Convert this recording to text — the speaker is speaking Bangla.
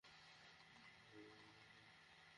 আপনি চেনেন উনাকে?